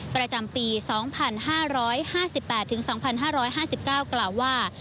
ประจำปี๒๕๕๘๒๕๕๙กล่าวว่า